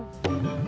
aku juga perempuan